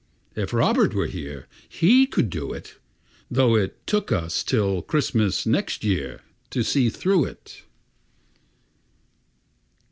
If Robert were here, he could do it, Though it took us till Christmas next year to see through it.